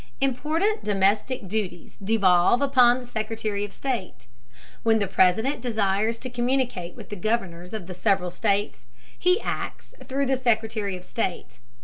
Important domestic duties devolve upon the Secretary of State. When the President desires to communicate with the Governors of the several states, he acts through the Secretary of State.